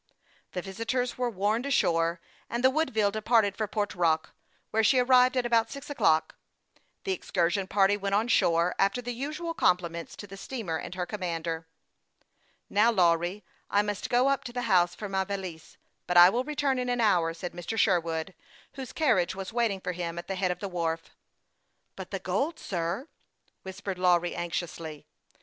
The visitors were warned ashore, and the Wood ville departed for Port Rock, where she arrived at about six o'clock. The excursion party went on shore, after the usual compliments to the steamer and her commander. " Now, Lawry, I must go up to the house for my valise ; but I will return in an hour," said Mr. Sher wood, whose carriage was waiting for him at the head of the wharf. " But the gold, sir ?" whispered Lawry, anxiously.